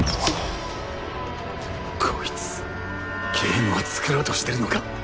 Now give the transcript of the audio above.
こいつゲームを作ろうとしてるのか？